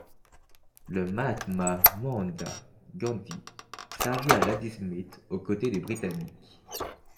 Le mahatma Mohandas Gandhi servit à Ladysmith au côté des britanniques.